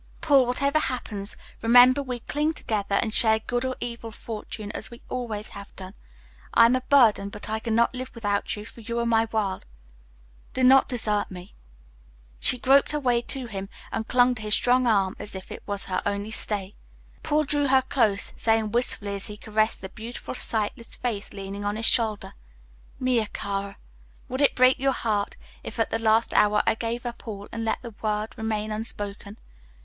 "Paul, whatever happens, remember we cling together and share good or evil fortune as we always have done. I am a burden, but I cannot live without you, for you are my world. Do not desert me." She groped her way to him and clung to his strong arm as if it was her only stay. Paul drew her close, saying wistfully, as he caressed the beautiful sightless face leaning on his shoulder, "Mia cara, would it break your heart, if at the last hour I gave up all and let the word remain unspoken?